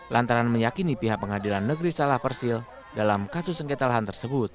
lantaran meyakini pihak pengadilan negeri salah persil dalam kasus sengketa lahan tersebut